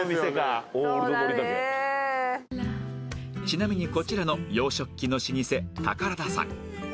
ちなみにこちらの洋食器の老舗タカラダさん